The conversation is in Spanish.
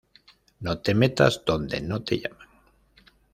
No te metas donde no te llaman